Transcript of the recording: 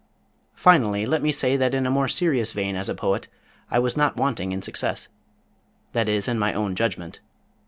Finally let me say that in a more serious vein as a Poet I was not wanting in success that is in my own judgment.